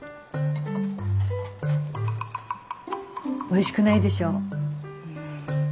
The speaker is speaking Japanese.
おいしくないでしょう？